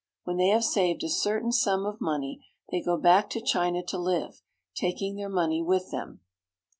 When they have saved a certain sum of money they go back to China to live, taking their money with them.